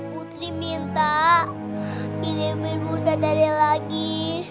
putri minta kirimin bunda dari lagi